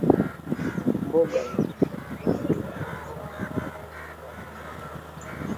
Mboga na matunda ni bora sana ku afya ya mutu